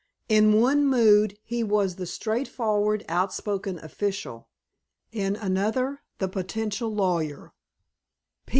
In one mood he was the straightforward, outspoken official; in another the potential lawyer.